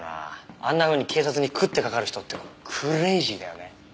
あんなふうに警察にくってかかる人ってクレイジーだよね。